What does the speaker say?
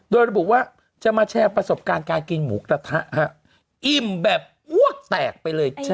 โดยระบุว่าจะมาแชร์ประสบการณ์การกินหมูกระทะฮะอิ่มแบบอ้วกแตกไปเลยจ้ะ